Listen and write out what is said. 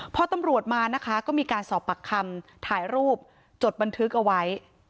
พอตำรวจมานะคะก็มีการสอบปากคำถ่ายรูปจดบันทึกเอาไว้